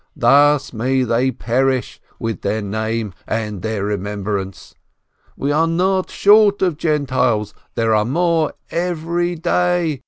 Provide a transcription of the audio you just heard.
Thus may they perish, with their name and their remembrance! We are not short of Gentiles — there are more every day!